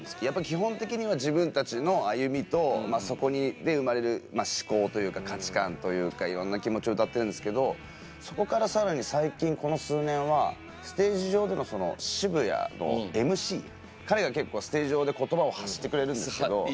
やっぱ基本的には自分たちの歩みとそこに生まれる思考というか価値観というかいろんな気持ちを歌ってるんですけどそこからさらに最近この数年はステージ上でのその彼が結構ステージ上で言葉を発してくれるんですけど。